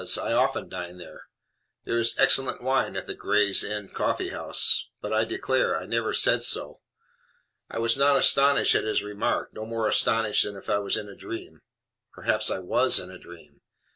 I often dine there. There is excellent wine at the "Gray's Inn Coffee House"; but I declare I NEVER SAID so. I was not astonished at his remark; no more astonished than if I was in a dream. Perhaps I WAS in a dream.